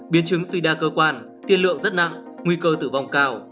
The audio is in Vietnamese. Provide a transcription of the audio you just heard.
biến chứng suy đa cơ quan tiên lượng rất nặng nguy cơ tử vong cao